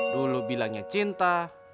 dulu bilangnya cinta